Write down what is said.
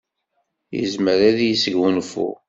Yezmer ad yesgunfu.